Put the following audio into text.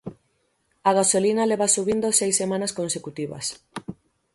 A gasolina leva subindo seis semanas consecutivas.